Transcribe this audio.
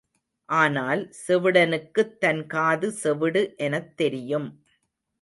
ஆனால் செவிடனுக்குத் தன் காது செவிடு எனத் தெரியும்.